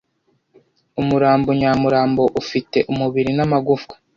umurambo nyamurambo ufite umubiri n'amagufwa,